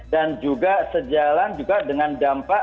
dan juga sejalan juga dengan dampak